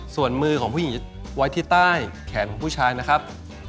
ส่วนมือของผู้หญิงไว้ที่ใต้แขนของผู้ชายนะครับ